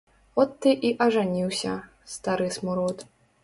От ты і ажаніўся, стары смурод.